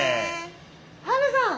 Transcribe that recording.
ハルさん！